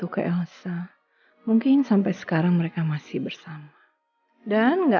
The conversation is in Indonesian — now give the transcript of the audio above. kalau ada yang kamu sembunyi